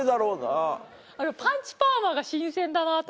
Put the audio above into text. あのパンチパーマが新鮮だなと思って。